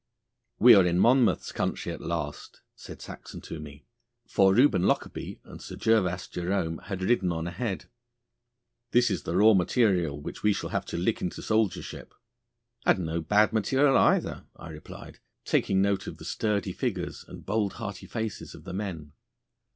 'We are in Monmouth's country at last,' said Saxon to me, for Reuben Lockarby and Sir Gervas Jerome had ridden on ahead. 'This is the raw material which we shall have to lick into soldiership.' 'And no bad material either,' I replied, taking note of the sturdy figures and bold hearty faces of the men.